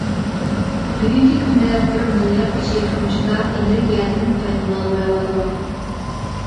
بۈگۈنكى كۈندە بىر مىليارد كىشى تۇرمۇشىدا ئېنېرگىيەدىن پايدىلىنالمايۋاتىدۇ.